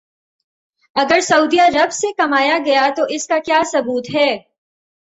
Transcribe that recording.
اگر Saudi Arabia سے کمایا گیا تو اس کا ثبوت کیا ہے؟